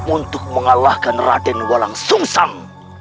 untuk mengalahkan raden walang sung sang